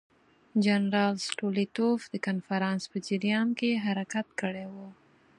جنرال ستولیتوف د کنفرانس په جریان کې حرکت کړی وو.